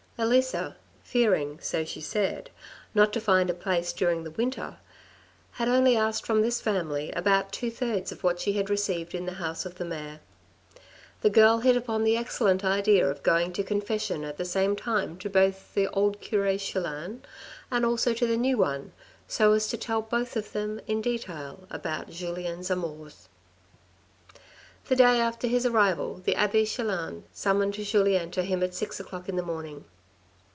Elisa, fearing, so she said, not to find a place during the winter, had only asked from this family about two thirds of what she had received in the house of the mayor. The girl hit upon the excellent idea of going to confession at the same time to both the old cure Chelan, and also to the new one, so as to tell both of them in detail about Julien's amours. The day after his arrival, the abbe Chelan summoned Julien to him at six o'clock in the morning.